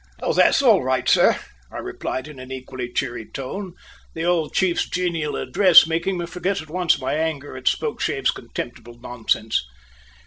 "Oh, that's all right, sir," I replied in an equally cheery tone, the old chief's genial address making me forget at once my anger at Spokeshave's contemptible nonsense.